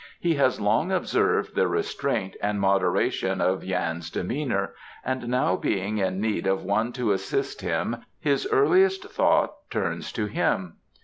He has long observed the restraint and moderation of Yan's demeanour and now being in need of one to assist him his earliest thought turns to him.